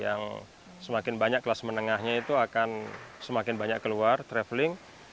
yang semakin banyak kelas menengahnya itu akan semakin banyak keluar traveling